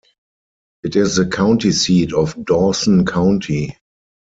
It is the county seat of Dawson County.